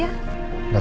tunggu aku mau cari